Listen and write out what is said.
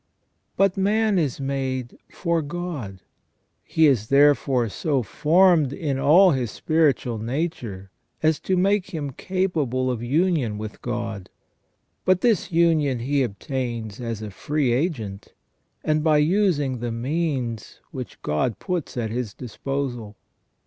But man is made for God, He is therefore so formed in all his spiritual nature as to make him capable of union with God, But this union he obtains as a free agent, and by using the means which God puts at his disposal.